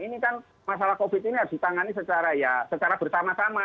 ini kan masalah covid ini harus ditangani secara ya secara bersama sama